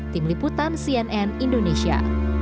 tim liputan cnn indonesia